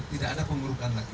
tidak ada pengurukan lagi